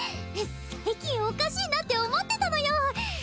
最近おかしいなって思ってたのよ